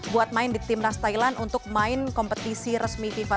buat main di timnas thailand untuk main kompetisi resmi fifa